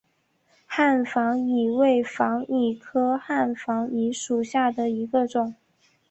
汉防己为防己科汉防己属下的一个种。